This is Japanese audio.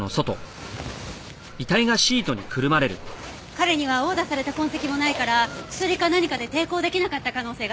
彼には殴打された痕跡もないから薬か何かで抵抗出来なかった可能性が高い。